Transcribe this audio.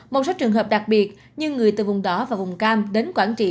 một số trường hợp đặc biệt như người từ vùng đỏ và vùng cam đến quảng trị